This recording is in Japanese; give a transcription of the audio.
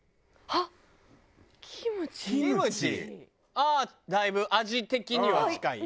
ああだいぶ味的には近い。